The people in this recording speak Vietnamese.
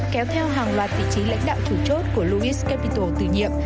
kéo theo hàng loạt vị trí lãnh đạo chủ chốt của louis capito từ nhiệm